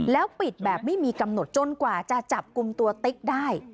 แล้วปิดแบบไม่มีกำหนดจนกว่าจะจับกลุ่มตัวติ๊กได้